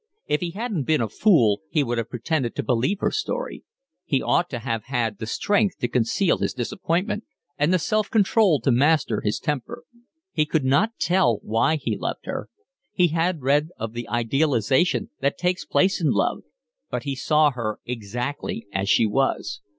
If he hadn't been a fool he would have pretended to believe her story; he ought to have had the strength to conceal his disappointment and the self control to master his temper. He could not tell why he loved her. He had read of the idealisation that takes place in love, but he saw her exactly as she was.